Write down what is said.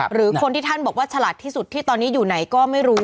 หรือคนที่ท่านบอกว่าฉลาดที่สุดที่ตอนนี้อยู่ไหนก็ไม่รู้